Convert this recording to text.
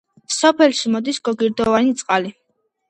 სოფელში მოდის გოგირდოვანი წყალი.